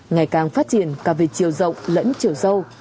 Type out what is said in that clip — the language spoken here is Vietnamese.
ngày càng phát triển cả về chiều rộng lẫn chiều sâu